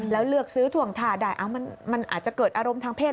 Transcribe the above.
แล้วเลือกซื้อถ่วงท่าได้มันอาจจะเกิดอารมณ์ทางเพศ